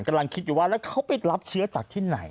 กำลังคิดอยู่ว่าแล้วเขาไปรับเชื้อจากที่ไหน